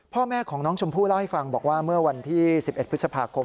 พ่อแม่ของน้องชมพู่เล่าให้ฟังบอกว่าเมื่อวันที่๑๑พฤษภาคม